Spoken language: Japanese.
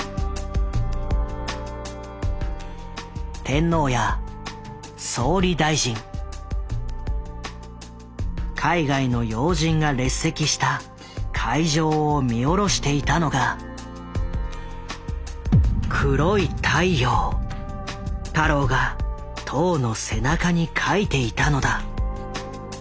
天皇や総理大臣海外の要人が列席した会場を見下ろしていたのが太郎が塔の背中に描いていたのだ。